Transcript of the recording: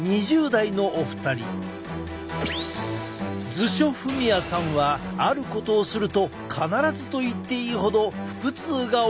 図所郁弥さんはあることをすると必ずと言っていいほど腹痛が起きるという。